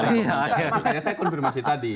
makanya saya konfirmasi tadi